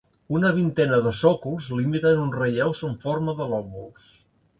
Una vintena de sòcols limiten uns relleus en forma de lòbuls.